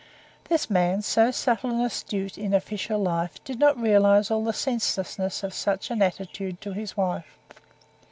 This man, so subtle and astute in official life, did not realize all the senselessness of such an attitude to his wife.